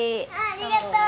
ありがとう。